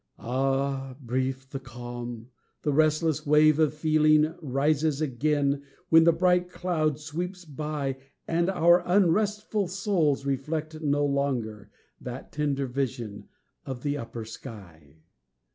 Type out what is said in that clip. Ah, brief the calm! the restless wave of feeling Rises again when the bright cloud sweeps by, And our unrestful souls reflect no longer That tender vision of the upper sky.